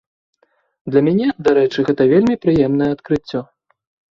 Для мяне, дарэчы, гэта вельмі прыемнае адкрыццё.